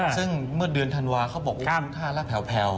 ซึ่งเมื่อเดือนธันวาเขาบอกว่าขึ้นท่าแล้วแผลว